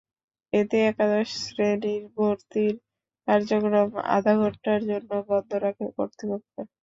এতে একাদশ শ্রেণির ভর্তির কার্যক্রম আধা ঘণ্টার জন্য বন্ধ রাখে কর্তৃপক্ষ।